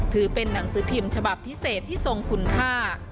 ถือเป็นหนังสือพิมพ์ฉบับพิเศษที่ทรงคุณค่า